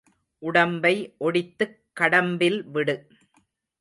உடம்பை ஒடித்துக் கடம்பில் விடு.